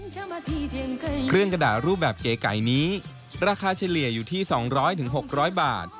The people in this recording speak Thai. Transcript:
เครื่องกระดาษรูปแบบเก๋ไก่นี้ราคาเฉลี่ยอยู่ที่๒๐๐๖๐๐บาท